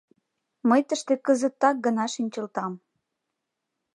— Мый тыште кызыт так гына шинчылтам.